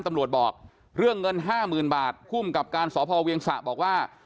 ตำรวจบอกเรื่องเงินห้าหมื่นบาทภูมิกับการสพเวียงสะบอกว่า